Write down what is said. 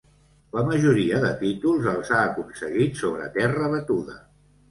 La majoria de títols els ha aconseguit sobre terra batuda.